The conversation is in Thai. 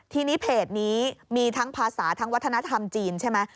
ทีนี้เพจนี้มีทั้งภาษาทั้งวัฒนธรรมจีนใช่ไหม